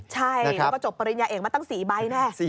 ใช่แล้วก็จบปริญญาเอกมาตั้ง๔ใบแน่